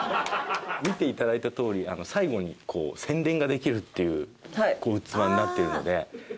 見ていただいたとおり最後にこう宣伝ができるっていう器になっているので。